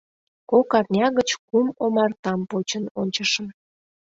Кок арня гыч кум омартам почын ончышым.